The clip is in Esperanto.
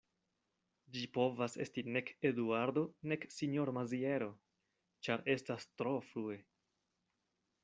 Ĝi povas esti nek Eduardo nek sinjoro Maziero; ĉar estas tro frue.